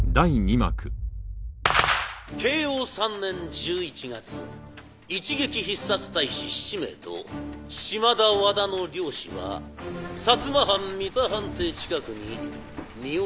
慶応３年１１月一撃必殺隊士７名と島田和田の両氏は摩藩三田藩邸近くに身を潜めておりました。